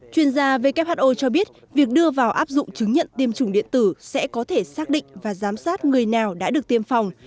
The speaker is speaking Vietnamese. chuyên gia who cho biết việc đưa vào áp dụng chứng nhận tiêm chủng điện tử sẽ có thể xác định và giám sát người nào đã được tiêm phòng